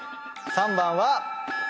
３番は。